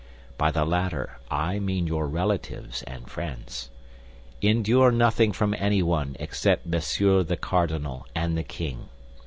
By the latter I mean your relatives and friends. Endure nothing from anyone except Monsieur the Cardinal and the king.